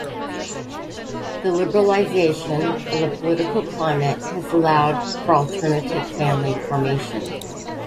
The liberalization of the political climate has allowed for alternative family formation.